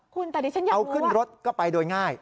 คุณแต่เดี๋ยวฉันอยากรู้ว่าเอาขึ้นรถก็ไปโดยง่าย